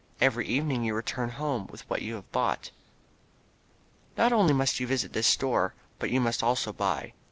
Every evening you return home with what you have bought. Not only must you visit this store but you must also buy.